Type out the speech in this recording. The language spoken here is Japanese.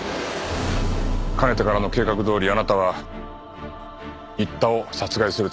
かねてからの計画どおりあなたは新田を殺害するつもりだった。